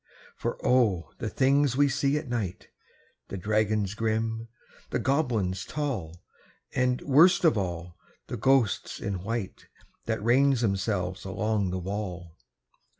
For O! the things we see at night The dragons grim, the goblins tall, And, worst of all, the ghosts in white That range themselves along the wall!